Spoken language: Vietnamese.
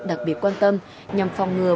đặc biệt quan tâm nhằm phòng ngừa